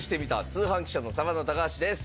通販記者のサバンナ高橋です。